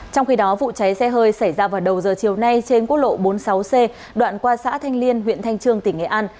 trong khi đó vụ cháy xe hơi xảy ra vào đầu giờ chiều nay trên quốc lộ bốn mươi sáu c đoạn qua xã thanh liên huyện thanh trương tỉnh nghệ an